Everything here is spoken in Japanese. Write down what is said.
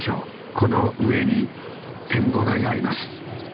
この上に展望台があります。